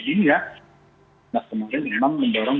mas ganjar kemarin memang mendorong